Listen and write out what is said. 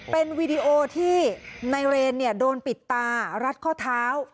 เป็นวีดีโอที่นายเรนโดนปิดตารัดข้อเท้า